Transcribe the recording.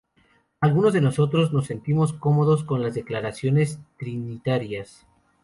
Algunos de nosotros nos sentimos cómodos con las declaraciones trinitarias.